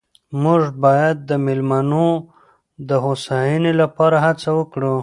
موږ باید د مېلمنو د هوساینې لپاره هڅه وکړو.